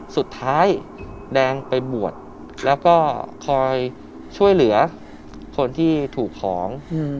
สุดท้ายแดงไปบวชแล้วก็คอยช่วยเหลือคนที่ถูกของ